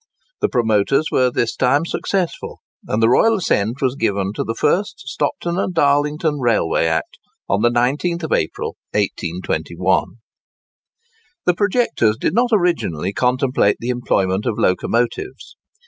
The promoters were this time successful, and the royal assent was given to the first Stockton and Darlington Railway Act on the 19th April, 1821. The projectors did not originally contemplate the employment of locomotives.